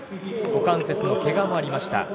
股関節のけがもありました。